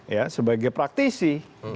ya sebagai praktisi